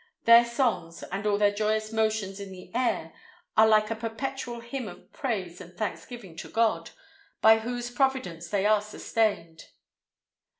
Their songs, and all their joyous motions in the air, are like a perpetual hymn of praise and thanksgiving to God, by whose providence they are sustained.